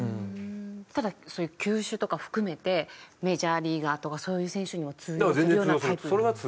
ただそういう球種とかを含めてメジャーリーガーとかそういう選手にも通用するようなタイプ？